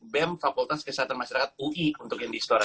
bem fakultas kesehatan masyarakat ui untuk indihistora